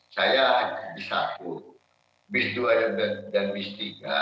saya b satu bis dua dan bis tiga